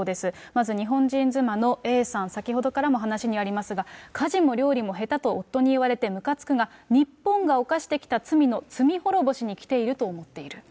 まず日本人妻のＡさん、先ほどからも話にありますが、家事も料理も下手と夫に言われてむかつくが日本が犯してきた罪の罪滅ぼしに来ていると思っている。